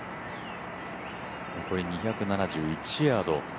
残り２７１ヤード。